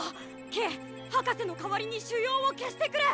ケイ博士の代わりに腫瘍を消してくれ。